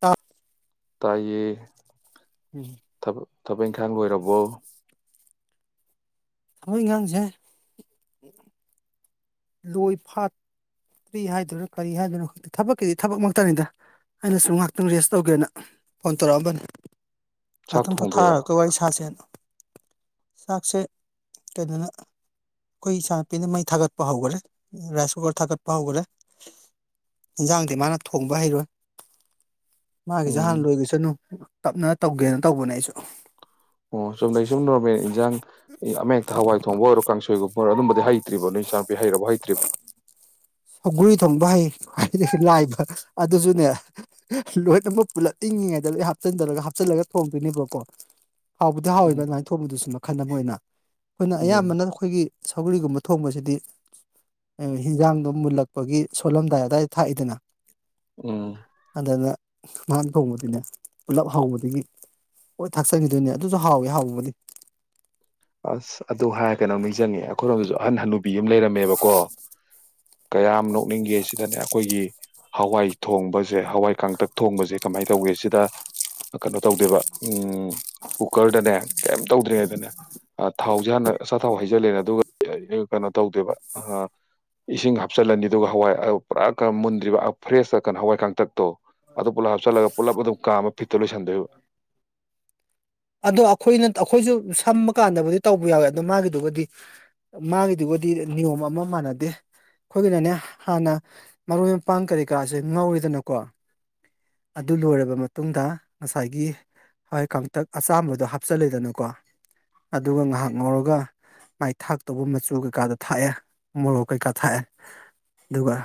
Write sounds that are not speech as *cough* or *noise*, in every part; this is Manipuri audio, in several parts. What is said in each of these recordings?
ꯇꯞ ꯇꯥꯏꯌꯦ ꯇꯕ ꯊꯕꯛ ꯏꯪꯈꯥꯡꯕ ꯑꯣꯏꯔꯕꯣ ꯊꯃꯣꯏ ꯉꯥꯡꯁꯦ ꯂꯣꯏ ꯐꯥꯠ ꯀꯔꯤ ꯍꯥꯏꯗꯣꯏꯅꯣ ꯀꯔꯤ ꯍꯥꯏꯗꯣꯏꯅꯣ ꯈ ꯊꯕꯛꯀꯤꯗꯤ ꯊꯕꯛ ꯃꯛꯇꯅꯤꯗ ꯑꯩꯅꯁꯨ ꯉꯥꯏꯍꯥꯛꯇꯪ ꯔꯦꯁ ꯇꯧꯒꯦꯅ ꯐꯣꯟ ꯇꯧꯔꯛꯑꯝꯕꯅꯤ ꯑꯗꯨ ꯆꯥꯛ ꯑꯗꯨꯝ ꯊꯣꯡꯗꯣꯏꯔꯥ ꯄꯣꯊꯥꯔꯒ ꯋꯥꯔꯤ ꯁꯥꯁꯦꯠꯅ ꯆꯥꯛꯁꯦ ꯀꯩꯩꯅꯣꯅ ꯑꯩꯈꯣꯏ ꯏꯆꯥ ꯅꯨꯨꯄꯤꯅ ꯃꯩ ꯊꯥꯒꯠꯄ ꯍꯧꯈꯠꯂꯦ ꯔꯥꯏꯁ ꯀꯨꯀꯔ ꯊꯥꯒꯠꯄ ꯄ ꯍꯧꯈ꯭ꯔꯦ ꯏꯟꯁꯥꯡꯗꯤ ꯃꯥꯅ ꯊꯣꯡꯕ ꯍꯩꯔꯣꯏ ꯎꯝ ꯃꯥꯒꯤꯁꯦꯍꯥꯟ ꯂꯣꯏꯗꯁꯅꯨ ꯇꯞꯅ ꯇꯧꯒꯦꯅ ꯇꯧꯕꯅꯦ ꯑꯩꯁꯨ ꯑꯣ ꯆꯨꯝꯅꯩ ꯁꯨꯝ ꯅꯣꯔꯃꯦꯜ ꯏꯟꯖꯥꯡ ꯍꯣꯏ ꯑꯗꯨꯝꯕꯗꯤ ꯍꯥꯏ ꯍꯩꯇ꯭ꯔꯤꯕꯣ ꯅ ꯏꯆꯥ ꯅꯨꯨꯄꯤ ꯍꯩꯔꯕ ꯍꯇ꯭ꯔꯤꯕ ꯁꯧꯒ꯭ꯔꯤ ꯊꯣꯡꯕ ꯍꯩ ꯈ꯭ꯋꯥꯏꯗꯒꯤ ꯂꯥꯏꯕ ꯑꯗꯨꯁꯨꯅꯦ ꯂꯣꯏꯅꯃꯛ ꯄꯨꯂꯠ ꯏꯉꯤꯉꯩꯗ ꯂꯣꯏ ꯍꯥꯞꯆꯤꯟꯔꯒ ꯍꯥꯞꯆꯜꯂꯒ ꯊꯣꯡꯗꯣꯏꯅꯦꯕꯀꯣ ꯍꯥꯎꯕꯗꯤ ꯍꯥꯎꯋꯦꯕ ꯎꯝ ꯑꯗꯨ ꯃꯥꯏ ꯊꯣꯡꯕꯗꯨꯁꯨꯃꯨꯛ ꯃꯈꯜ ꯑꯃ ꯑꯣꯏꯅ ꯑꯩꯈꯣꯏꯅ ꯎꯝ ꯑꯌꯥꯝꯕꯅ ꯑꯩꯈꯣꯏꯒꯤ ꯁꯧꯒꯔꯤꯒꯨꯝꯕ ꯊꯣꯡꯕꯁꯤꯗꯤ ꯍꯤꯟꯖꯥꯡꯗꯣ ꯃꯨꯜꯂꯛꯄꯒꯤ ꯁꯣꯜꯂꯝꯗꯥꯏ ꯑꯗꯥꯋꯥꯏꯗ ꯊꯥꯛꯏꯗꯅ ꯎꯝ ꯑꯗꯅ ꯉꯍꯥꯟ ꯊꯣꯡꯕꯗꯨꯅꯦ ꯄꯨꯂꯞ ꯍꯥꯎꯕꯗꯒꯤ ꯍꯣꯏ ꯊꯥꯛꯆꯟꯈꯤꯗꯣꯏꯅꯦ ꯑꯗꯨꯁꯨ ꯍꯥꯎꯋꯦ ꯍꯥꯎꯕꯗꯤ ꯆꯅꯤꯡꯉ ꯑꯩꯈꯣꯔꫭꯝꯒꯤꯁꯨ ꯑꯍꯟ ꯍꯅꯨ ꯄꯤ ꯑꯃ ꯂꯩꯔꯝꯃꯦꯕꯀꯣ ꯀꯌꯥꯝ ꯅꯣꯛꯅꯤꯡꯒꯦ ꯁꯤꯗꯅꯦ ꯑꯩꯈꯣꯏꯒꯤ ꯍꯋꯥꯏ ꯊꯣꯡꯕꯁꯦ ꯍꯋꯥꯏ ꯀꯥꯡꯇꯛ ꯊꯣꯡꯕꯁꯦ ꯀꯃꯥꯏꯅ ꯇꯧꯒꯦ ꯁꯤꯗ ꯀꯩꯅꯣ ꯇꯧꯗꯦꯕ ꯎꯝ ꯀꯨꯀꯔꯗꯅꯦ ꯀꯩꯝ ꯇꯧꯗ꯭ꯔꯦ ꯑꯗꯨꯅꯦ ꯊꯥꯎꯁꯦ ꯍꯥꯟꯅ ꯑꯆꯥ ꯊꯥꯎ ꯍꯩꯖꯤꯜꯂꯦꯅ ꯑꯗꯨꯒ ꯀꯩꯅꯣ ꯇꯧꯗꯦꯕ ꯏꯁꯤꯡ ꯍꯥꯞꯆꯤꯜꯂꯅꯤ ꯑꯗꯨꯒ ꯍꯋꯥꯏ ꯄꯨꯔꯥ ꯀ ꯃꯨꯟꯗ꯭ꯔꯤꯕ ꯐ꯭ꯔꯦꯁꯇ ꯀꯣ ꯍꯋꯥꯏ ꯀꯥꯡꯇꯛꯇꯣ ꯑꯗꯨ ꯄꯨꯂꯞ ꯍꯥꯞꯆꯤꯜꯂꯒ ꯄꯨꯂꯞ ꯑꯗꯨꯝ ꯀꯥꯃ ꯐꯤꯠꯇ ꯂꯣꯏꯁꯟꯗꯣꯏꯕ ꯑꯗꯣ ꯑꯩꯈꯣꯏꯅ ꯑꯩꯈꯣꯏꯁꯨ ꯁꯝꯕ ꯀꯥꯟꯗꯕꯨꯗꯤ ꯇꯧꯕ ꯌꯥꯎꯋꯦ ꯑꯗꯣ ꯃꯥꯒꯤꯗꯨꯒꯗꯤ ꯃꯥꯒꯤꯗꯨꯒꯗꯤ ꯅꯤꯌꯣꯝ ꯑꯃ ꯃꯥꯟꯅꯗꯦ ꯑꯩꯈꯣꯏꯒꯤꯅꯅꯦ ꯍꯥꯟꯅ ꯃꯔꯣꯏ ꯃꯄꯥꯡ ꯀꯔꯤ ꯀꯔꯥꯁꯦ ꯉꯧꯔꯤꯗꯅꯀꯣ ꯑꯗꯨ ꯂꯣꯏꯔꯕ ꯃꯇꯨꯡꯗ ꯉꯁꯥꯏꯒꯤ ꯍꯋꯥꯏ ꯀꯇꯛ ꯑꯆꯥꯝꯕꯗꯣ ꯍꯥꯞꯆꯤꯜꯂꯤꯦꯗꯅꯀꯣ ꯑꯗꯨꯒ ꯉꯥꯏꯍꯥꯛ ꯉꯧꯔꯒ ꯃꯥꯏ ꯊꯥꯛꯇꯧꯕ ꯃꯆꯨ ꯀꯩꯀꯥꯗ ꯊꯥꯛꯑꯦ ꯃꯣꯔꯣꯛ ꯀꯩꯀꯥ ꯊꯥꯛꯑꯦ ꯑꯗꯨꯒ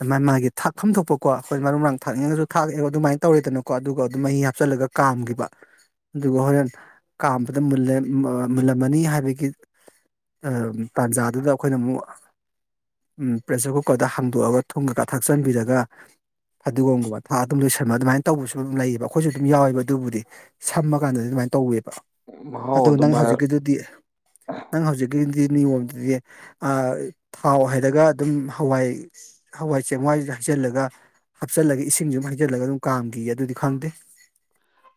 ꯑꯗꯨꯥꯏ ꯃꯥꯒꯤ ꯊꯥꯛ ꯈꯝꯗꯣꯛꯄꯀꯣ ꯑꯩꯈꯣꯏ ꯃꯔꯨ ꯃꯔꯥꯡ ꯊꯥꯛꯅꯤꯡꯉꯁꯨ ꯊꯥꯛꯑ ꯑꯗꯨꯃꯥꯏꯅ ꯇꯧꯔꯦꯗꯅꯀꯣ ꯑꯗꯨꯒ ꯑꯗꯨꯝ ꯃꯍꯤ ꯍꯥꯞꯆꯤꯜꯂꯒ ꯀꯥꯝꯈꯤꯕ ꯑꯗꯨꯒ ꯍꯣꯔꯦꯟ ꯀꯥꯝꯕꯗ ꯃꯨꯜꯂꯝꯃꯅꯤ ꯍꯥꯏꯕꯒꯤ ꯇꯥꯟꯖꯥꯗꯨꯗ ꯑꯩꯈꯣꯏꯅ ꯑꯃꯨꯛ ꯄ꯭ꯔꯦꯁꯔ ꯀꯨꯀꯔꯗ ꯍꯥꯡꯗꯣꯛꯑꯒ ꯊꯨꯝꯉꯒ ꯊꯛꯆꯟꯕꯤꯔꯒ ꯐꯗꯤꯒꯣꯝꯒꯨꯝꯕ ꯊꯥꯛ ꯑꯗꯨꯝ ꯂꯣꯏꯁꯟꯕ ꯑꯗꯨꯃꯥꯏꯅ ꯇꯧꯕꯁꯨ ꯑꯗꯨꯝ ꯂꯩꯌꯦꯕ ꯑꯩꯈꯣꯏꯁꯨ ꯑꯗꯨꯝ ꯌꯥꯎꯋꯦꯕ ꯑꯗꯨꯕꯨꯗꯤ ꯁꯝꯃ ꯀꯥꯟꯗꯗꯤ ꯑꯗꯨꯃꯥꯏꯅ ꯇꯧꯋꯦꯕ ꯃꯍꯥꯎ ꯑꯗꫭ ꯑꯗꯨꯝ ꯅꯪ ꯃꯥ ꯍꯧꯖꯤꯛꯀꯤꯗꯨꯗꯤ ꯅꯪ ꯍꯧꯖꯤꯛꯀꯤꯗꯤ ꯅꯤꯌꯣꯝꯗꯗꯤ ꯊꯥꯎ ꯍꯥꯏꯩꯔꯒ ꯑꯗꯨꯝ ꯍꯋꯥꯏ ꯍꯋꯥꯏ ꯆꯦꯡꯋꯥꯏ ꯍꯩꯖꯤꯜꯂꯒ ꯍꯥꯞꯆꯤꯜꯂꯒ ꯏꯁꯤꯡꯁꯨ ꯑꯗꯨꯝ ꯍꯩꯖꯤꯜꯂꯒ ꯑꯗꯨꯝ ꯀꯥꯝꯈꯤꯌꯦ ꯑꯗꯨꯗꯤ ꯈꯪꯗꯦ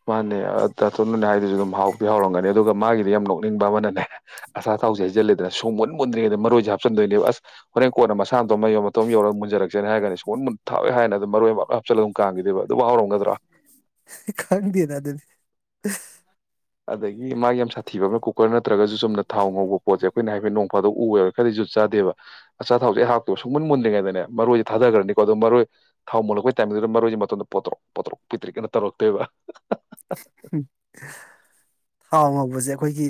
ꯃꯥꯅꯦ ꯇꯥꯊꯣꯟꯅꯅꯦ ꯍꯥꯏꯗꯨꯁꯨ ꯑꯗꯨꯝ ꯍꯥꯎꯗꯤ ꯍꯥꯎꯔꯝꯒꯅꯤ ꯑꯗꯨꯒ ꯃꯥꯒꯤꯗꯤ ꯌꯥꯝ ꯅꯣꯛꯅꯤꯡꯕ ꯑꯃꯅꯅꯦ ꯑꯁꯥ ꯊꯥꯎꯁꯦ ꯍꯖꯤꯜꯜꯂꯤꯦꯗꯅ ꯁꯣ ꯃꯣꯟ ꯃꯨꯗ꯭ꯔꯤꯩꯗ ꯃꯔꯣꯏꯁꯦ ꯍꯥꯞꯆꯤꯟꯗꯣꯏꯅꯦꯕ ꯑꯁ ꯍꯣꯔꯦꯟ ꯀꯣꯟꯅ ꯃꯁꯥ ꯑꯃꯇꯣ ꯑꯃ ꯃꯌꯣ ꯃꯇꯣꯝ ꯌꯧꯔꯒ ꯃꯨꯟꯔꯛꯁꯦ ꯍꯥꯏꯔꯒꯅꯤ ꯁꯣꯃꯣꯟ ꯃꯨꯟ ꯊꯥꯎꯋꯦ ꯍꯥꯏꯅ ꯑꯗꯨꯝ ꯃꯔꯣꯏ ꯑꯃ ꯍꯥꯞꯆꯤꯂꯒ ꯑꯗꯨꯝ ꯀꯥꯡꯥꯡꯈꯤꯗꯦꯕ ꯑꯗꯨꯕꯨ ꯍꯥꯎꯔꯝꯒꯗ꯭ꯔꯥ ꯈꯪꯗꯦ ꯗꯦ ꯑꯗꯨꯗꯤ ꯑꯗꯒꯤ ꯃꯥꯒꯤ ꯌꯥꯝ ꯁꯥꯊꯤꯕ ꯑꯃ ꯀꯨꯀꯔ ꯅꯠꯇ꯭ꯔꯒꯁꯨ ꯆꯨꯝꯅ ꯊꯥꯎ ꯉꯧꯕ ꯄꯣꯠꯖꯦꯛ ꯑꯩꯈꯣꯏꯅ ꯍꯥꯏꯐꯦ ꯅꯣꯡ ꯐꯥꯗ ꯎꯋꯦꯕ ꯈꯔꯗꯤ ꯨꯠ ꯆꯥꯗꯦꯕ ꯑꯆꯥ ꯊꯥꯎꯁꯦ ꯑꯩ ꯍꯥꯞꯇꯦ ꯁꯨꯡꯃꯟ ꯃꯨꯟ꯭ꯔꯤꯉꯩꯗꯅꯦ ꯃꯔꯣꯏꯁꯦ ꯊꯥꯊꯈ꯭ꯔꯅꯤꯀꯣ ꯑꯗꯣ ꯃꯔꯣꯏ ꯊꯥꯎ ꯃꯨꯜꯂꯛꯄ ꯇꯥꯏꯃꯤꯗꯨꯗ ꯃꯔꯣꯏꯁꯦ ꯃꯇꯨꯡꯗ ꯄꯣꯇꯣꯔꯛ ꯄꯣꯇꯣꯔꯛ ꯄꯤꯇ꯭ꯛꯀꯅ ꯇꯧꯔꯛꯇꯣꯏꯕ ꯊꯥꯎ ꯉꯧꯕꯁꯦ ꯑꯩꯈꯣꯏꯒꯤ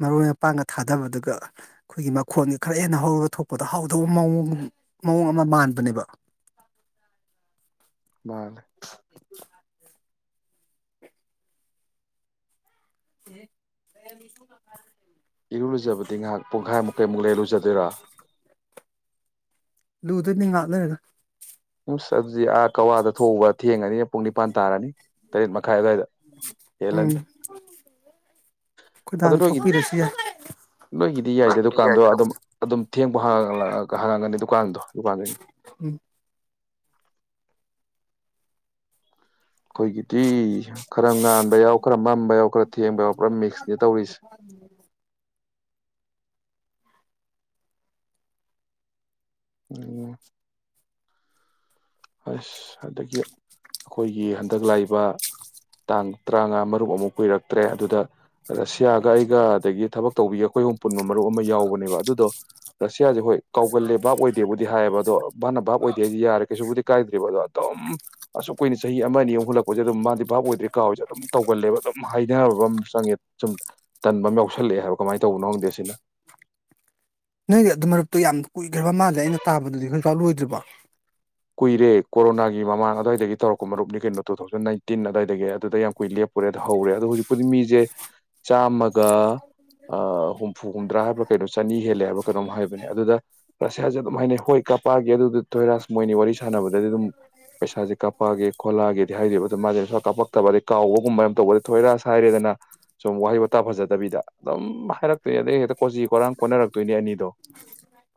ꯃꯔꯣꯏ ꯃꯄꯥꯡꯒ ꯊꯥꯗꯕꯗꯨꯒ ꯑꯩꯈꯣꯏꯒꯤ ꯃꯈꯣꯟꯒꯤ ꯈꯔ ꯍꯦꯟꯅ ꯍꯧꯔꯒ ꯊꯣꯛꯄꯗ ꯍꯥꯎꯗꯧꯕ ꯃꯑꯣꯡ ꯃꯑꯣꯡ ꯑꯃ ꯃꯥꯟꯕꯅꯦꯕ *unintelligible* *unintelligible* *unintelligible* ꯏꯔꯨ ꯂꯨꯖꯕꯗꯤ ꯉꯥꯏꯍꯥꯛ ꯄꯨꯡꯈꯥꯏꯃꯨꯛ ꯂꯩꯔ ꯂꯨꯖꯗꯣꯏꯔꫭ ꯂꯨꯗꯣꯏꯅꯦ ꯉꯥꯛ ꯂꯩꯔꯒ ꯏꯁ ꯆꯖꯤ ꯑꯥ ꯀꯋꯥꯗ ꯊꯣꯛꯣꯡꯎꯧꯕ ꯊꯦꯡꯉꯅꯤ ꯄꯨꯡ ꯅꯤꯄꯥꯟ ꯇꯥꯔꯅꯤ ꯇꯔꯦꯠ ꯃ ꯇꯪꯈꯥꯏ ꯑꯋꯥꯏꯗ ꯎꯝ ꯍꯦꯜꯂꯅꯤ ꯑꯩꯈꯣꯏ ꯑꯗꯣ ꯗꯥꯅ ꯅꯣꯏꯒꯤ ꯊꯣꯛꯄꯤꯔꯁꯨ ꯌꯥꯏ ꯅꯣꯏꯒꯤꯗꯤ ꯌꯥꯏꯗꯦ ꯗꯨꯀꯥꯟꯗꯣ ꯑꯗꯨꯝ ꯑꯗꯨꯝ ꯊꯦꯡꯕ ꯍꯥꯡꯉꯒꯅꯤ ꯗꯨꯀꯥꯟꯗꯣ ꯗꯨꯀꯥꯟꯩꯗꯣ ꯎꯝ ꯑꯩꯈꯣꯏꯒꯤꯗꯤ ꯈꯔ ꯉꯥꯟꯕ ꯌꯥꯎ ꯈꯔ ꯃꯝꯕ ꯌꯥꯎ ꯈꯔ ꯊꯦꯡꯕ ꯌꯥꯎ ꯄꯨꯔꯥ ꯃꯤꯛꯁꯅꯦ ꯇꯧꯔꯤꯁꯦ ꯎꯝ ꯑꯁ ꯑꯗꯒꯤ ꯑꯩꯈꯣꯏꯒꯤ ꯍꯟꯗꯛ ꯂꯥꯛꯏꯕ ꯇꯥꯡ ꯇꯔꯥꯉꯥ ꯃꯔꯨꯞ ꯑꯃꯨꯛ ꯀꯨꯏꯔꯛꯇ꯭ꯔꯦ ꯑꯗꯨꯗ ꯔꯁꯤꯌꯥꯒ ꯑꯩꯒ ꯑꯗꯒꯤ ꯊꯕꯛ ꯇꯧꯕꯤ ꯑꯩꯈꯣꯏꯒ ꯑꯄꯨꯟꯕ ꯃꯔꯨꯞ ꯑꯃ ꯌꯥꯎꯕꯅꯦꯕ ꯑꯗꯨꯗꯣ ꯔꯁꯤꯌꯥꯁꯦ ꯍꯣꯏ ꯀꯥꯎꯒꯜꯂꯦ ꯚꯥꯞ ꯑꯣꯏꯗꯦꯕꯨꯗꯤ ꯍꯥꯏꯌꯦꯕ ꯑꯗꯣ ꯚꯥꯅ ꯚꯥꯞ ꯑꯣꯏꯗꯦ ꯍꯥꯏꯦ ꯌꯥꯔꯦ ꯀꯩꯁꯨꯕꯨꯗꯤ ꯀꯥꯏꯗ꯭ꯔꯤꯕ ꯑꯗꯣ ꯑꯗꯨꯝ ꯑꯁꯨꯛ ꯀꯨꯏꯅ ꯆꯍꯤ ꯑꯃ ꯑꯅꯤ ꯑꯃꯨꯛ ꯍꯨꯜꯂꯛꯄꯁꯦ ꯑꯗꯨꯝ ꯃꯥꯗꯤ ꯚꯥꯞ ꯑꯣꯏꯗ꯭ꯔꯤ ꯀꯥꯎꯏꯁꯦ ꯑꯗꯨꯝ ꯇꯧꯒꯜꯂꯦꯕ ꯑꯗꯨꯝ ꯍꯥꯏꯅꯅꯕ ꯑꯃ ꯆꯪꯉꯦ ꯁꯨꯝ ꯇꯟꯕ ꯑꯃ ꯌꯥꯎꯁꯜꯂꯛꯑꯦ ꯍꯥꯏꯕ ꯀꯃꯥꯏꯅ ꯇꯧꯕꯅꯣ ꯈꯪꯗꯦ ꯁꯤꯅ ꯅꯣꯏꯒꯤ ꯑꯗꯨ ꯃꯔꯨꯞꯇꯣ ꯌꯥꯝ ꯀꯨꯏꯈ꯭ꯔꯕ ꯃꯥꯜꯂꯦ ꯑꯩꯅ ꯇꯥꯕꯗꯗꯤ ꯄꯥꯛ ꯂꯣꯏꯗ꯭ꯔꯤꯕꫭ ꯀꯨꯏꯔꯦ ꯀꯣꯔꯣꯅꯥꯒꯤ ꯃꯃꯥꯡ ꯑꯗꯨꯋꯥꯏꯗꯒꯤ ꯇꯧꯔꯛꯄ ꯃꯔꯨꯞꯅꯤ ꯀꯩꯅꯣ ꯇꯨ ꯊꯥꯎꯖꯟ ꯅꯥꯏꯟꯇꯤꯟ ꯑꯗꯨꯋꯥꯏꯗꯒꯤ ꯑꯗꯨꯗ ꯌꯥꯝ ꯀꯨꯏ ꯂꯦꯞꯄꯨꯔꯦ ꯑꯗ ꯍꯧꯔꯦ ꯑꯗꯣ ꯍꯧꯖꯤꯛꯄꯨꯗꯤ ꯃꯤꯁꯦ ꯆꯥꯝꯃꯒ ꯍꯨꯝꯐꯨ ꯍꯨꯝꯗ꯭ꯔꯥ ꯍꯥꯏꯕ꯭ꯔꯥ ꯀꯩꯅꯣ ꯆꯅꯤ ꯍꯦꯜꯂꯦ ꯍꯥꯏꯕ꯭ꯔ ꯀꯩꯅꯣꯝ ꯍꯥꯏꯕꯅꯦ ꯑꯗꯨꯗ ꯔꯁꯤꯌꯥꯁꯦ ꯑꯗꯨꯝ ꯍꯥꯏꯅꯩ ꯍꯣꯏ ꯀꯄꯥꯒꯤ ꯑꯗꯨꯗ ꯊꯣꯏꯔꯥꯁ ꯃꯣꯏꯅꯤ ꯋꯥꯔꯤ ꯁꯥꯟꯅꯕꯗꯗꯤ ꯑꯗꯨꯝ ꯄꯩꯁꯥꯁꯦ ꯀꯥꯄꯛꯀꯦ ꯈꯣꯠꯂꯛꯀꯦꯗꯤ ꯍꯥꯏꯗꯣꯏꯕ ꯑꯗꯨꯝ ꯃꯥꯁꯦ ꯄꯩꯁꯥ ꯀꯥꯞꯄꯛꯇꯕ ꯑꯗꯩ ꯀꯥꯎꯕꯒꯨꯝꯕ ꯇꯧꯕꯗꯤ ꯊꯣꯏꯔ ꯍꯥꯏꯔꯦꯗꯅ ꯁꯨꯝ ꯋꯥꯍꯩ ꯋꯥꯇꯥ ꯐꯖꯗꯕꯤꯗ ꯑꯗꯨꯝ ꯍꯥꯏꯔꯛꯇꯣꯏ ꯑꯗꯩ ꯍꯦꯛꯇ ꯀꯣꯆꯤ ꯀꯔꯥꯡ ꯀꯣꯟꯅꯔꯛꯇꯣꯏꯅꯦ ꯑꯅꯤꯗꯣ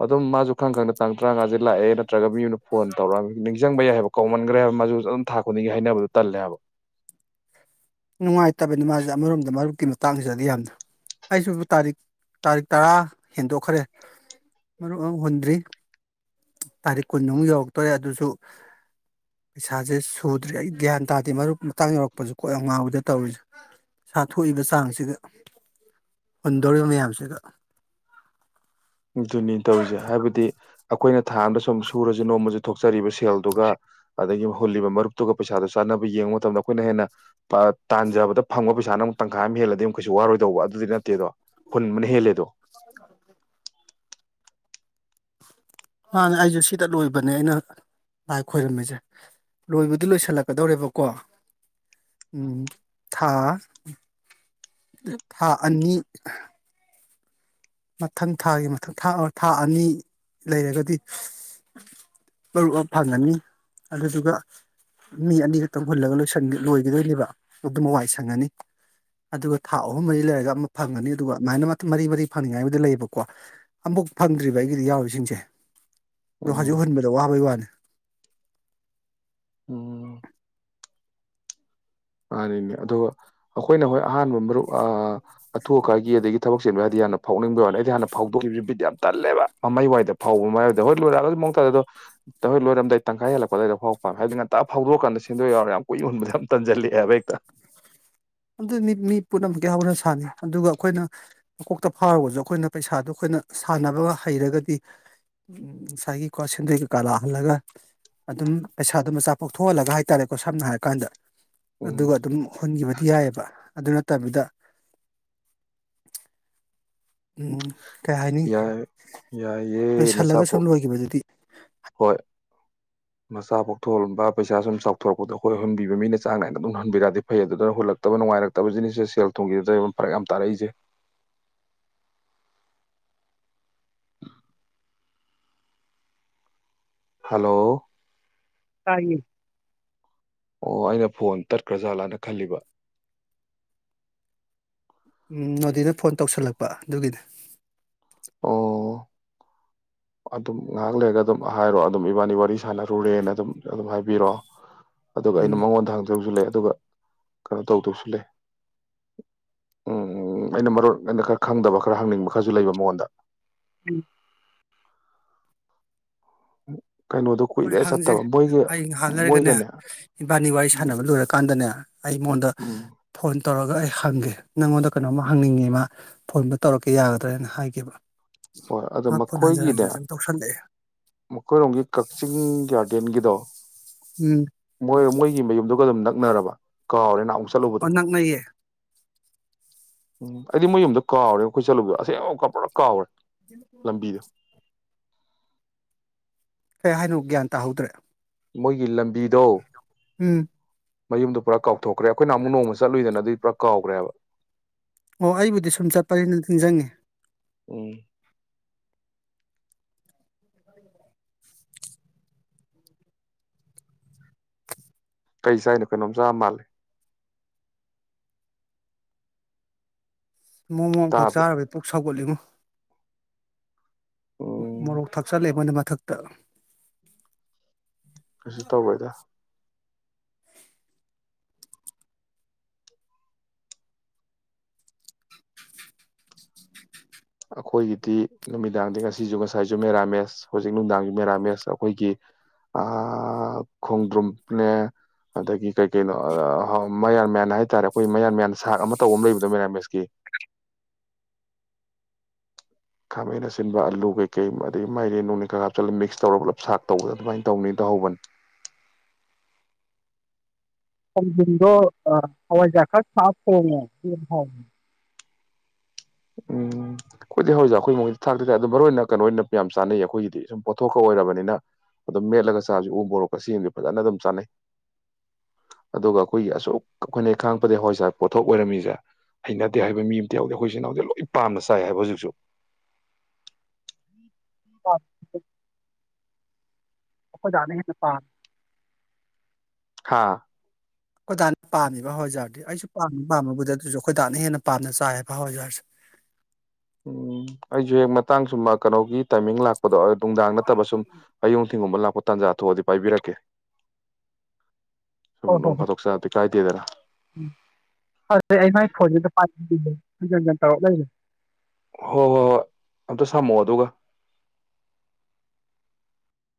ꯑꯗꯨꯝ ꯃꯥꯁꯨ ꯈꯪ ꯈꯪꯗ ꯇꯥꯡ ꯇꯔꯥꯉꯥꯁꯦ ꯂꯥꯛꯑꯦ ꯅꯠꯇ꯭ꯔꯒ ꯃꯤ ꯐꯣꯟ ꯇꯧꯔꯛꯑꯃꯤ ꯅꯤꯡꯁꯤꯡꯕ ꯌꯥꯏ ꯍꯥꯏꯕ ꯀꯧꯃꯟꯈ꯭ꯔꯦ ꯍꯥꯏꯕ ꯃꯥꯗꯨ ꯑꯗꯨꯝ ꯊꯥ ꯈꯨꯗꯤꯡꯒꯤ ꯍꯥꯏꯅꯕꯗꯨꯣ ꯇꯜꯂꯦ ꯍꯥꯏꯕ ꯅꯨꯡꯉꯥꯏꯇꯕꯅꯤ ꯃꯥꯁꯦ ꯑꯃꯔꯣꯝꯗ ꯃꯔꯨꯞꯀꯤ ꯃꯇꯥꯡꯁꯤꯗꯗꯤ ꯌꯥꯝꯅ ꯑꯩꯁꯨꯕꯨ ꯇꯥꯔꯤꯛ ꯇꯥꯔꯤꯛ ꯇꯔꯥ ꯍꯦꯟꯗꯣꯛꯈ꯭ꯔꯦ ꯃꯔꯨꯞ ꯑꯃꯛ ꯍꯨꯟꯗ꯭ꯔꯤ ꯇꯥꯔꯤꯛ ꯀꯨꯟꯃꯨꯛ ꯌꯧꯔꯛꯇꯣꯔꯦ ꯑꯗꯨꯁꯨ ꯄꯩꯁꯥꯁꯦ ꯁꯨꯗ꯭ꯔꯤ ꯑꯩ ꯒ꯭ꯌꯥꯟ ꯇꯥꯗꯦ ꯃꯔꯨꯞ ꯃꯇꯥꯡ ꯌꯧꯔꯛꯄꯁꯨ ꯀꯣꯏ ꯌꯥꯝ ꯉꯥꯎꯕꯗ ꯇꯧꯔꯤꯁꯦ ꯁꯥ ꯊꯣꯛꯏꯕ ꯆꯥꯡꯁꯤꯒ ꯍꯨꯟꯗꯧꯔꯤꯕ ꯃꯌꯥꯝꯁꯤꯒ ꯑꯗꯨꯅꯤ ꯇꯧꯔꯤꯁꯦ ꯍꯥꯏꯕꯗꯤ ꯑꯩꯈꯣꯏꯅ ꯊꯥꯝꯗ ꯁꯨꯝ ꯁꯨꯔꯁꯤ ꯅꯣꯡꯃꯦ ꯊꯣꯛꯆꯦ ꯠ ꯆꯔꯤꯕ ꯁꯦꯜꯗꯨꯒ ꯑꯗꯒꯤ ꯍꯨꯜꯂꯤꯕ ꯃꯔꯨꯞꯇꯨꯒ ꯄꯩꯁꯥꯗꯨ ꯆꯥꯟꯅꯕ ꯌꯦꯡꯕ ꯃꯇꯝꯗ ꯑꯩꯈꯣꯏꯅ ꯍꯦꯟꯅ ꯇꯥꯟꯖꯕꯗ ꯐꯪꯕ ꯄꯩꯁꯥꯅ ꯑꯃꯨꯛ ꯇꯪꯈꯥꯏ ꯑꯃ ꯍꯦꯜꯂꯗꯤ ꯑꯃꯛ ꯀꯩꯁꯨ ꯋꯥꯔꯣꯏꯗꯧꯕ ꯑꯗꯨꯗꯤ ꯅꯠꯇꯦꯗꯣ ꯍꯨꯟꯕꯅ ꯍꯦꯜꯂꯦꯗꯣ *unintelligible* ꯃꯥꯅꯦ ꯑꯩꯁꯨꯦ ꯁꯤꯗ ꯂꯣꯏꯕꯅꯦ ꯑꯩꯅ ꯂꯥꯏ ꯈꯣꯏꯔꯝꯃꯤꯁꯦ ꯂꯣꯏꯕꯗꯤ ꯂꯣꯏꯁꯤꯜꯂꯛꯀꯗꯧꯔꯦꯕꯀꯣ ꯎ ꯊꯥ ꯊꯥ ꯑꯅꯤ ꯃꯊꯪ ꯊꯥꯒꯤ ꯃꯊꯪ ꯊꯥ ꯊꯥ ꯑꯅꯤ ꯂꯩꯔꯒꯗꯤ ꯃꯔꯨ ꯑꯃ ꯐꯪꯉꯅꯤ ꯑꯗꯨꯗꯨꯒ ꯃꯤ ꯑꯅꯤ ꯈꯛꯇꯪ ꯍꯨꯜꯂꯒ ꯂꯣꯏꯒꯗꯣꯏꯅꯦꯕ ꯑꯗꯨꯝ ꯋꯥ ꯋꯥꯏ ꯁꯪꯉꯅꯤ ꯑꯗꯨꯒ ꯊꯥ ꯑꯍꯨꯝ ꯃꯔꯤ ꯂꯩꯔꯒ ꯑꯃ ꯐꯪꯒꯅꯤ ꯑꯗꯨꯒ ꯑꯗꯨꯃꯥꯏꯅ ꯃꯔꯤ ꯃꯔꯤ ꯐꯪꯅꯤꯉꯥꯏꯕꯗ ꯂꯩꯌꯦꯕꯀꯣ ꯑꯃꯨꯐꯛ ꯐꯪꯗ꯭ꯔꯤꯕ ꯑꯩꯒꯤꯗꯤ ꯌꯥꯎꯔꯤꯁꯤꯡꯁꯦ ꯑꯗꯣ ꯎꯝ ꯍꯧꯖꯤꯛ ꯍꯨꯟꯕꯗ ꯋꯥꯕꯩ ꯋꯥꯅꯤ ꯎꯝ ꯃꯥꯅꯤꯅꯦ ꯑꯗꯨꯒ ꯑꯩꯈꯣꯏꯅ ꯍꯣꯏ ꯑꯍꯥꯟꯕ ꯃꯔꯨꯞ ꯑ ꯑꯊꯨ ꯑꯀꯥꯏꯒꯤ ꯑꯗꯒꯤ ꯊꯕꯛ ꯆꯦꯟꯕ ꯍꯥꯏꯗꯤ ꯍꯥꯟꯅ ꯐꯥꯎꯅꯤꯡꯕ ꯋꯥꯅꯤ ꯑꯩꯗꯤ ꯍꯥꯟꯅ ꯐꯥꯎꯗꯣꯛꯈꯤꯕꯁꯤ ꯕꯤꯠ ꯌꯥꯝ ꯇꯜꯦꯕ ꯃꯃꯩ ꯋꯥꯏꯗ ꯐꯥꯎꯕ ꯃꯥꯏꯗ ꯍꯣꯏ ꯂꯣꯏꯔꯛꯑꯒꯁꯨ ꯃꯨꯛ ꯇꯥꯗ ꯑꯗꯣ ꯍꯣꯏꯔꯝꯗꯥꯏ ꯇꯪꯈꯥꯏ ꯍꯂꯛꯄꯗꯏꯗ ꯐꯥꯎ ꯄꯥꯝ ꯍꯥꯏꯗꯤ ꯉꯥꯛꯇ ꯐꯥꯎꯗꯣꯛꯑꯀꯥꯟꯗ ꯁꯦꯟꯗꯣꯏ ꯌꯥꯎꯔ ꯌꯥꯝ ꯀꯨꯏ ꯌꯨꯟꯕꯗ ꯌꯥꯝ ꯇꯟꯁꯤꯜꯂꯤ ꯌꯥꯕꯩꯛꯇ ꯑꯗꯨ ꯃꯤ ꯃꯤ ꯄꯨꯝꯅꯃꯛꯀꯤ ꯍꯧꯅ ꯁꯥꯟꯅꯩ ꯑꯗꯨꯒ ꯑꯩꯈꯣꯏꯅ ꯃꯀꯣꯛꯇ ꯐꯥꯎꯔꯒꯁꯨ ꯑꯩꯈꯣꯏꯅ ꯄꯩꯁꯥꯗꯣ ꯑꯩꯈꯣꯏꯅ ꯁꯥꯟꯅꯕ ꯍꯩꯔꯒꯗꯤ ꯉꯁꯥꯏꯒꯤꯀꯣ ꯁꯦꯟꯗꯣꯏ ꯀꯩꯀꯥ ꯂꯥꯛꯍꯜꯂꯒ ꯑꯗꯨꯝ ꯄꯩꯁꯥꯗꯣ ꯃꯆꯥ ꯄꯣꯛꯊꯣꯛꯍꯜꯂꯒ ꯍꯥꯏꯇꯥꯔꯦꯀꯣ ꯁꯝꯅ ꯍꯥꯏꯔ ꯀꯥꯟꯗ ꯎꯝ ꯑꯗꯨꯒ ꯑꯗꯨꯝ ꯍꯨꯟꯈꯤꯕ ꯗꯤ ꯌꯥꯏꯑꯕ ꯑꯗꯨꯅ ꯇꯕꯤꯗ ꯎꯝ ꯀꯩ ꯍꯥꯏꯅꯤ ꯌꯥꯏ ꯂꯣꯏ ꯌꯥꯏꯌꯦ ꯃꯆꯥ ꯁꯜꯂꯒ ꯄꯣꯛ ꯁꯨꯝ ꯂꯣꯏꯈꯤꯕꯗꯨꯗꯤ ꯍꯣꯏ ꯃꯆꯥ ꯄꯣꯛꯊꯣꯛꯍꯂꯝꯕ ꯄꯩꯁꯥ ꯁꯨꯝ ꯆꯥꯎꯊꯣꯔꯛꯄꯗꯣ ꯍꯣꯏ ꯍꯨꯍꯟꯕꯤꯕ ꯃꯤꯅ ꯆꯥꯡ ꯅꯥꯏꯅ ꯑꯗꯨꯝ ꯎ ꯍꯟꯕꯤꯔꯗꯤ ꯐꯩ ꯑꯗꯨꯅ ꯍꯨꯜꯂꯛꯇꯕ ꯅꯨꯡꯉꯥꯏꯔꯛꯇꯕ ꯖꯤꯅꯤꯁꯁꯦ ꯁꯦꯜ ꯊꯨꯝꯒꯤꯗꯨꯗ ꯐꯔꯛ ꯌꯥꯝ ꯇꯥꯔꯛꯏꯁꯦ ꯍꯜꯂꯣ ꯇꯥꯌꯦ ꯑꯣ ꯑꯩꯅ ꯐꯣꯟ ꯇꯠꯈ꯭ꯔꯥꯖꯥꯠꯂꯥꯅ ꯈꯜꯂꯤꯕ ꯎꯝ ꯅꯣꯗꯤꯅ ꯐꯣꯟ ꯇꯧꯁꯜꯂꯛꯄ ꯑꯗꯨꯒꯤꯅꯦ ꯑꯣ ꯑꯗꯨꯝ ꯉꯥꯏꯍꯥꯛ ꯂꯩꯔꯒ ꯑꯗꯨꯝ ꯍꯥꯏꯔꯣ ꯑꯗꯨꯝ ꯏꯕꯥꯅꯤ ꯋꯥꯔꯤ ꯁꯥꯟꯅꯔꯨꯔꯦꯅ ꯑꯗꯨꯝ ꯑꯗꯨꯝ ꯍꯥꯏꯕꯤꯔꯛꯑꯣ ꯑꯗꯨꯒ ꯑꯩꯅ ꯎꯝ ꯃꯉꯣꯟꯗ ꯍꯪꯗꯣꯏꯕꯁꯨ ꯂ ꯑꯗꯨꯒ ꯀꯩꯅꯣ ꯇꯧꯗꯣꯏꯁꯨ ꯂꯩ ꯎꯝ ꯑꯩꯅ ꯃꯔꯣꯟ ꯑꯩꯅ ꯈꯔ ꯈꯪꯗꯕ ꯈꯔ ꯍꯪꯅꯤꯡꯕ ꯈꯔꯁꯨ ꯂꯩꯕ ꯃꯉꯣꯟꯗ ꯎꯝ *inaudible* ꯍꯣꯏ ꯀꯨꯏꯔꯦ ꯍꯪꯖꯦ ꯆꯠꯇꯕ ꯃꯣꯏꯒꯤ ꯑꯩ ꯉꯍꯥꯛ ꯂꯩꯔꯒꯅꯦ ꯃꯣꯏꯒꯅꯦ ꯏꯕꯥꯅꯤ ꯋꯥꯔꯤ ꯁꯥꯟꯅꯕ ꯂꯣꯏꯔꯀꯥꯟꯗꯅꯦ ꯑꯩ ꯃꯉꯣꯟꯗ ꯎꯝ ꯐꯣꯟ ꯇꯧꯔꯒ ꯑꯩ ꯍꯪꯒꯦ ꯅꯉꯣꯟꯗ ꯀꯩꯅꯣꯝꯃ ꯍꯪꯅꯤꯡꯉꯤ ꯃꯥ ꯐꯣꯟꯗ ꯇꯧꯔꯛꯀꯦ ꯌꯥꯒꯗ꯭ꯔꯥꯅ ꯍꯥꯏꯒꯦꯕ ꯍꯣꯏ ꯑꯗꯣ ꯃꯥ ꯐꯣꯟ ꯍꯟꯖꯤꯟ ꯃꯈꯣꯏꯒꯤꯅꯦ ꯍꯟꯖꯤꯟ ꯁꯨꯝ ꯇꯧꯁꯜꯂꯛꯑꯦ ꯃꯈꯣꯏꯔꯣꯝꯒꯤ ꯀ ꯆꯤꯡ ꯒꯥꯔꯗꯦꯟꯒꯤꯗꯣ ꯎꯝ *unintelligible* ꯃꯩ ꯃꯌꯨꯝꯗꯨꯒ ꯑꯗꯨꯝ ꯅꯛꯅꯔꯕ ꯀꯥꯎꯔꯦ ꯅꯍꯥ ꯑꯣ ꯅꯛꯅꯩꯌꯦ ꯎꯝ ꯑꯩꯗꯤ ꯃꯣꯏ ꯌꯨꯝꯗ ꯀꯥꯎꯔꯦ ꯑꯩꯈꯣꯏ ꯆꯠꯂꯨꯕꯗꯣ ꯑꯁꯦꯡꯕ ꯑꯃꯨꯛꯀ ꯄꯨꯂꯞ ꯀꯥꯎꯔꯦ ꯂꯝꯕꯤꯗꯣ *unintelligible* ꯀꯩ ꯍꯥꯏꯅꯣ ꯒ꯭ꯌꯥꯟ ꯇꯥꯍꯧꯗ꯭ꯔꯦ ꯃꯣꯏꯒꯤ ꯂꯝꯕꯤꯗꯣ ꯎꯝ ꯃꯌꯨꯝꯗꯨ ꯄꯨꯔꯥ ꯀꯥꯎ ꯊꯣꯛꯈ꯭ꯔꯦ ꯑꯩꯈꯣꯏ ꯂꯨꯍꫭꯡꯕ ꯆꯠꯂꯨꯏꯗꯅ ꯑꯗꯨꯏ ꯄꯨꯔꯥ ꯀꯥꯎꯒ꯭ꯔꯦꯕ ꯑꯣ ꯑꯩꯕꯨꯗꯤ ꯁꯨꯝ ꯆꯠꯄꯅꯤꯅ ꯅꯤꯡꯖꯪꯉꯦ ꯎꯝ ꯀꯩ ꯆꯥꯏꯅꯣ ꯀꯩꯅꯣꯝꯆꯥ ꯃꯥꯂꯦ ꯃꯣꯃꯣ ꯑꯝꯈꯛ ꯇꯥꯕ꯭ꯔꯥ ꯆꯥꯔꯨꯕꯩ ꯄꯨꯛ ꯁꯧꯒꯠꯂꯤꯅꯦ ꯎꯝ ꯃꯣꯔꯣꯛ ꯊꯛꯆꯜꯂꯦ ꯕ *unintelligible* ꯊꯛꯇ ꯀꯩꯁꯨ ꯇꯧꯕꯣꯏꯗ ꯑꯩꯈꯣꯏꯒꯤꯗꯤ ꯅꯨꯃꯤꯗꯥꯡꯗꯤ ꯉꯁꯤꯁꯨ ꯉꯁꯥꯏꯁꯨ ꯃꯦꯔꯥꯃꯦꯁ ꯍꯧꯖꯤꯛ ꯅꯨꯡꯗꯥꯡꯒꯤ ꯃꯦꯔꯥꯃꯦꯁ ꯑꯩꯈꯣꯏꯒꯤ ꯈꯣꯡꯗ꯭ꯔꯨꯝꯅꯦ ꯑꯗꯒꯤ ꯀꯩ ꯀꯩꯅꯣ ꯃꯌꯥꯟ ꯃꯌꯥꯟ ꯍꯥꯏꯇꯥꯥꯔꯦ ꯑꯩꯈꯣꯏ ꯃꯌꯥꯟ ꯃꯌꯥꯟ ꯁꯥꯛ ꯑꯃ ꯇꯧꯕ ꯑꯃ ꯂꯩꯕꯗꯣ ꯃꯦꯔꯥꯃꯦꯁꯀꯤ ꯈꯥꯃꯩꯅ ꯑꯁꯤꯟꯕ ꯑꯂꯨ ꯀꯩꯀꯩ ꯑꯗꯒꯤ ꯃꯥꯏꯗꯤꯦ ꯅꯨꯡꯅꯤꯩ ꯀꯥ ꯍꯥꯞꯆꯤꯜꯂꯒ ꯃꯤꯛꯁ ꯇꯧꯔꯒ ꯄꯨꯂꯞ ꯁꯥꯛ ꯇꯧꯕꯗ ꯑꯗꯨꯃꯥꯏꯅ ꯇꯧꯅꯤ ꯇꯧꯍꯧꯕꯅꯤ ꯁꯗꯣ ꯍꯋꯥꯏꯖ ꯁꯥ ꯐ ꯎꯝ ꯑꯩꯈꯣꯏꯗꯤ ꯍꯧꯖꯤꯁ ꯑꯩꯈꯣꯏ ꯃꯈꯣꯏꯗꯤ ꯊꯥꯛꯇꯤ ꯊꯥꯛ ꯑꯗꯨ ꯃꯔꯨꯑꯣ ꯑꯣꯏꯅ ꯀꯩꯅꯣ ꯑꯣꯏꯅ ꯌꯥꯝ ꯆꯥꯅꯩꯌꯦ ꯑꯩꯈꯣꯏꯒꯤꯗꯤ ꯁꯨꯝ ꯄꯣꯠꯊꯣꯛꯀ ꯑꯣꯏꯔꯕꯅꯤꯅ ꯑꯗꯨꯝ ꯃꯦꯠꯂꯒ ꯆꯥꯕꯁꯤ ꯎ ꯄꯕꯣꯔꯣꯛꯀ ꯁꯤꯗꯤ ꯐꯖꯅ ꯑꯗꯨꯝ ꯆꯥꯅꯩ ꯑꯗꯨꯒ ꯑꯩꯈꯣꯏꯒꯤ ꯑꯁꯨꯛ ꯑꯩꯈꯣꯏꯅ ꯈꯥꯡꯉꯄꯗꯤ ꯍꯣꯏꯁ ꯄꯣꯠꯊꯣꯛ ꯑꯣꯏꯔꯝꯃꯤꯁꯦ ꯍꯩꯅꯗꯦ ꯍꯥꯏꯕ ꯃꯤ ꯑꯝꯇ ꯌꯥꯎꯗꯦ ꯑꯩ ꯁꯤꯅ ꯍꯧꯖꯤꯛ ꯂꯣꯏ ꯄꯥꯝꯅ ꯆꯥꯏ ꯍꯥꯏꯕ ꯍꯧꯖꯤꯛꯁꯨ ꯑ ꯑꯣꯣꯏꯖꯗꯒꯦ ꯅꯦꯄꯥꯜ ꯍꯥꯥ ꯑꯩꯈꯣꯏꯗꯥꯥꯛꯅ ꯄꯥꯝꯃꯤꯕ ꯍꯋꯥꯏꯖꯥꯎꯔꯗꯤ ꯑꯩꯁꯨ ꯄꯥꯝꯃꯤꯕ ꯄꯥꯝꯃꯕꯨꯗ ꯑꯗꯨꯁꯨ ꯑꯩꯈꯣꯏꯗꯥꯥꯛꯅ ꯍꯦꯟꯅ ꯄꯥꯝꯅ ꯆꯥꯏꯕ ꯍꯋꯥꯏꯖꯥꯔꯁꯦ ꯎꯝ ꯑꯩꯁꯨ ꯃ ꯍꯛꯇꯥꯡ ꯁꯨꯝꯕ ꯀꯩꯅꯣꯒꯤ ꯇꯥꯏꯃꯤꯡ ꯂꯥꯛꯄꯗꯣ ꯅꯨꯡꯗꯥꯡ ꯅꯠꯇꯕ ꯁꯨꯝ ꯍꯌꯣꯡ ꯊꯤꯡꯒꯨꯝꯕ ꯂꯥꯛꯄ ꯃꯇꯥꯟꯖꯥ ꯑꯊꯨꯑꯗꯤ ꯄꯥꯏꯕꯤꯔꯛꯀꯦ ꯁꯨꯝ ꯅꯣꯡ ꯐꯥꯗꯣꯛ ꯆꯥꯗꯤꯦ ꯀꯥꯏꯦ ꯦꯔꯥ ꯎ ꯍ ꯑꯩꯉ ꯐꯖ ꯇ ꯂꯩꯦ ꯍꯣ ꯍꯣ ꯍꯣ ꯑꯇ ꯁꯃꯨ ꯑꯗꯧꯒ